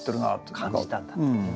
感じたんだという。